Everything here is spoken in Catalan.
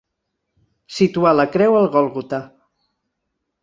Situar la creu al Gòlgota.